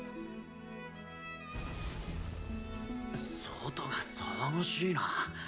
外が騒がしいな。